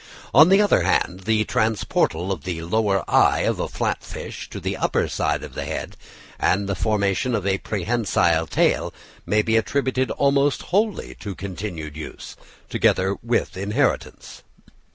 On the other hand, the transportal of the lower eye of a flat fish to the upper side of the head, and the formation of a prehensile tail, may be attributed almost wholly to continued use, together with inheritance.